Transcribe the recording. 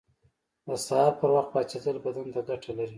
• د سهار پر وخت پاڅېدل بدن ته ګټه لري.